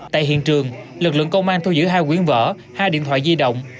tại hiện trường lực lượng công an thu giữ hai quyến vở hai điện thoại di động